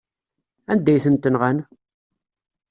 Anda ay tent-nɣan?